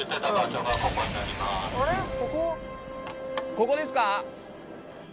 ここですか？